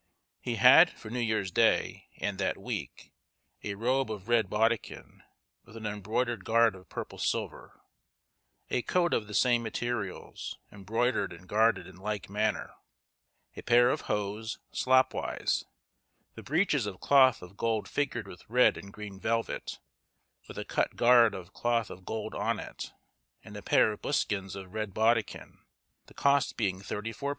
He had, for New Year's Day, and that week, a robe of red baudekyn, with an embroidered gard of purple silver; a coat of the same materials, embroidered and garded in like manner; a pair of hose, slopwise; the breeches of cloth of gold figured with red and green velvet, with a cut gard of cloth of gold on it; and a pair of buskins of red baudekyn; the cost being £34 15_s.